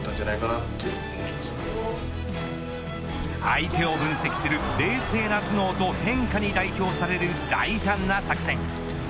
相手を分析する冷静な頭脳と変化に代表される大胆な作戦。